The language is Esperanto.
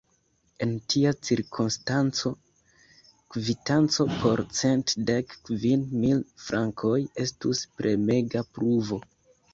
En tia cirkonstanco, kvitanco por cent dek kvin mil frankoj estus premega pruvo.